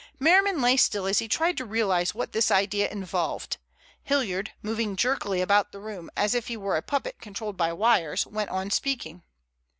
Merriman lay still as he tried to realize what this idea involved. Hilliard, moving jerkily about the room as if he were a puppet controlled by wires, went on speaking.